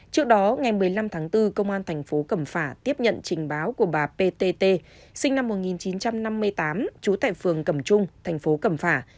trước đó ngày một mươi năm tháng bốn công an thành phố cẩm phà tiếp nhận trình báo của bà p t t sinh năm một nghìn chín trăm năm mươi tám chú tại phường cẩm trung thành phố cẩm phà